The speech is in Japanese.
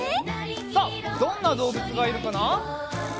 さあどんなどうぶつがいるかな？